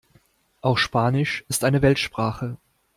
Auch Spanisch ist eine Weltsprache.